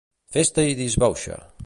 Festa i disbauxa.